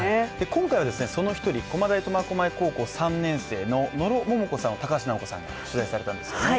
今回は、その１人、駒大苫小牧高校３年生の野呂萌々子さんを高橋尚子さんが取材されたんですよね？